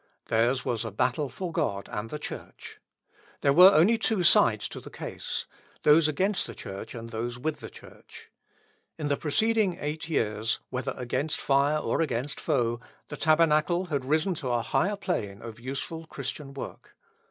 Theirs was a battle for God and the Church. There were only two sides to the case. Those against the Church and those with the Church. In the preceding eight years, whether against fire or against foe, the Tabernacle had risen to a higher plane of useful Christian work.